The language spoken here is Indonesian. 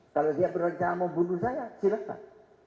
kalau dia berencana membunuh saya silakan